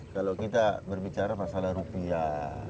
kalau kita berbicara masalah rupiah